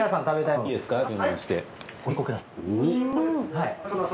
はい。